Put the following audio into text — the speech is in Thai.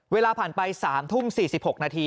เวลาผ่านไป๓ทุ่ม๔๖นาที